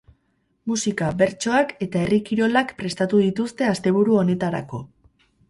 Musika, bertsoak eta herri kirolak prestatu dituzte asteburu honetarako.